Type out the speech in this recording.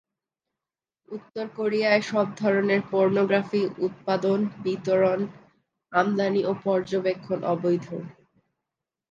উত্তর কোরিয়ায় সব ধরণের পর্নোগ্রাফি উৎপাদন, বিতরণ, আমদানি ও পর্যবেক্ষণ অবৈধ।